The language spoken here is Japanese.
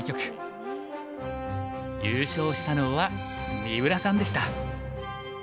優勝したのは三浦さんでした。